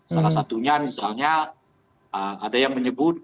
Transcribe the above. salah satunya misalnya ada yang menyebut